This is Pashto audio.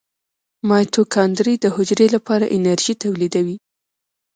مایتوکاندري د حجرې لپاره انرژي تولیدوي